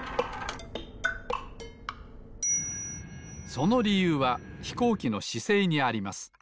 そのりゆうはひこうきのしせいにあります。